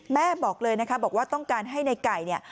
แม่บอกเลยนะคะบอกว่าต้องการให้นายไก่